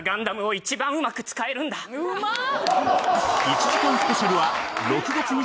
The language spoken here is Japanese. うまっ！